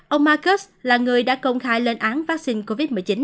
ông markus là người đã công khai lên án vaccine covid một mươi chín